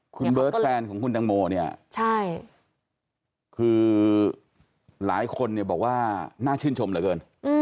คุณเบิร์ตแฟนของคุณตังโมเนี่ยใช่คือหลายคนเนี่ยบอกว่าน่าชื่นชมเหลือเกิน